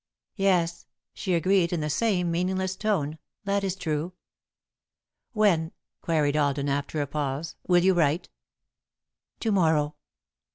"Yes," she agreed, in the same meaningless tone. "That is true." "When," queried Alden, after a pause, "will you write?" "To morrow."